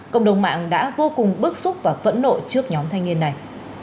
cộng đồng mạng đã vô cùng bức xúc và phẫn nộ trước nhóm thanh niên này